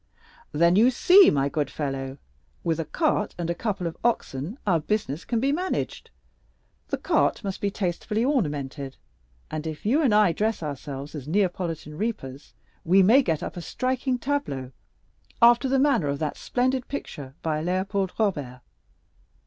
"Then you see, my good fellow, with a cart and a couple of oxen our business can be managed. The cart must be tastefully ornamented; and if you and I dress ourselves as Neapolitan reapers, we may get up a striking tableau, after the manner of that splendid picture by Léopold Robert.